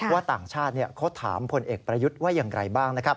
ว่าต่างชาติเขาถามพลเอกประยุทธ์ว่าอย่างไรบ้าง